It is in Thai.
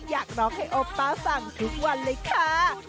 อยากร้องให้โอป้าสั่งทุกวันเลยค่ะ